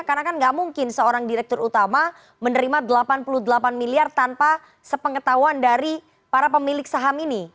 karena kan nggak mungkin seorang direktur utama menerima rp delapan puluh delapan miliar tanpa sepengetahuan dari para pemilik saham ini